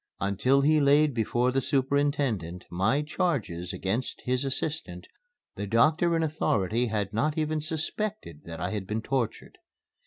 Until he laid before the superintendent my charges against his assistant, the doctor in authority had not even suspected that I had been tortured.